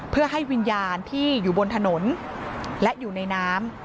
เพื่อให้วิญญาณที่อยู่บนถนนและอยู่ในน้ำ